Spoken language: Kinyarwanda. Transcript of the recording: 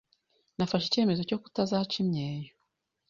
nafashe icyemezo cyo kutazaca imyeyo.